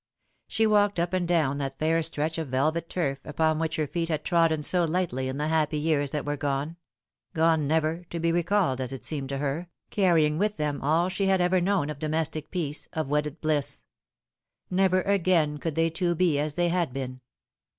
She walked up and down that fair stretch of velvet turf upon which her feet had trodden so lightly in the happy years that were gone gone never to be recalled, as it seemed to her, carrying with them all that she had ever known of domestic peace, of wedded bliss. Never again could they two be as they had been.